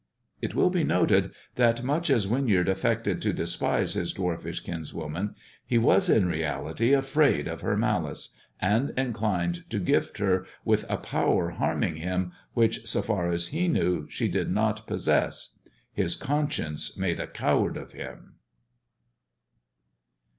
" It will be noted that, much as Winyard affected to ispise his dwarfish kinswoman, he was in reality afraid 124 THE dwarf's chamber of her malice, and inclined to gift her with a power of harming him which, so far as he knew, she did not possess. His conscience made a coward of him.